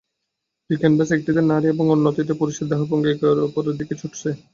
দুই ক্যানভাসের একটিতে নারী এবং অন্যটিতে পুরুষের দেহভঙ্গি একে অপরের দিকে ছুটছে।